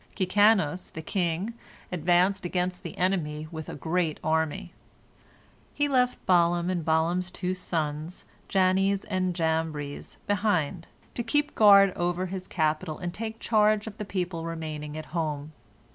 Kikanos, the king, advanced against the enemy with a great army. He left Balaam and Balaam's two sons, Jannes and Jambres, behind, to keep guard over his capital and take charge of the people remaining at home.